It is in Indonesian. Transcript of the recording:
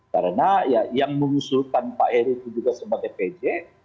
karena yang mengusulkan pak heru itu juga semua dprd